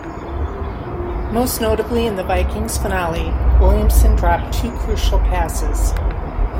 Most notably in the Vikings' finale, Williamson dropped two crucial passes.